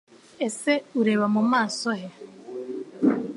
ese ureba mumaso he